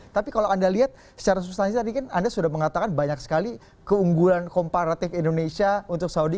tapi kalau anda lihat secara substansi tadi kan anda sudah mengatakan banyak sekali keunggulan komparatif indonesia untuk saudi